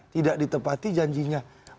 tidak ditepati janjinya